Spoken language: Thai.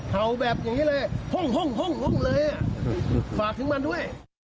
เผ่าแบบอย่างนี้เลยห่งห่งห่งห่งเลยอ่ะฝากถึงมันด้วย